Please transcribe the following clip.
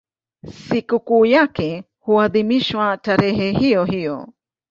Sikukuu yake huadhimishwa tarehe hiyohiyo.